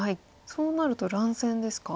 そうなると乱戦ですか？